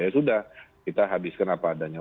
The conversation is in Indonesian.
ya sudah kita habiskan apa adanya